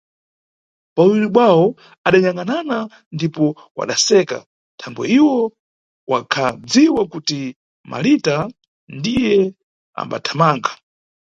Pawuwiri bwawo adanyangʼanana ndipo wadaseka, thangwe iwo wakhadziwa kuti Malita ndiye ambathamanga.